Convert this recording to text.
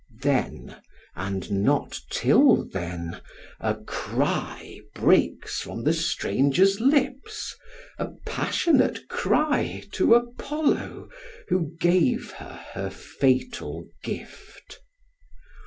Then, and not till then, a cry breaks from the stranger's lips, a passionate cry to Apollo who gave her her fatal gift.